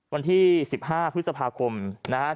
วันที่๑๕พฤษภาคมนะครับ